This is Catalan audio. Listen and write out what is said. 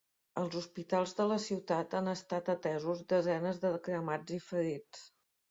Als hospitals de la ciutat han estat atesos desenes de cremats i ferits.